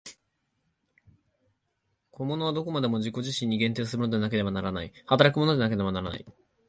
個物はどこまでも自己自身を限定するものでなければならない、働くものでなければならない。